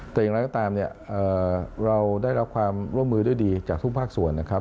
แต่อย่างไรก็ตามเนี่ยเราได้รับความร่วมมือด้วยดีจากทุกภาคส่วนนะครับ